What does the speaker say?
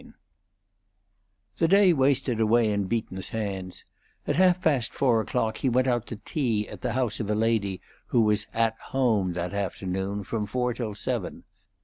IV The day wasted away in Beaton's hands; at half past four o'clock he went out to tea at the house of a lady who was At Home that afternoon from four till seven.